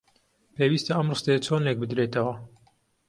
پێویستە ئەم ڕستەیە چۆن لێک بدرێتەوە؟